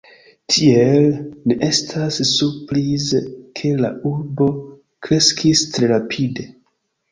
Tiel, ne estas surprize ke la urbo kreskis tre rapide.